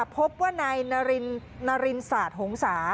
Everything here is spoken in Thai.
พบว่านายนารินศาสตร์หงษา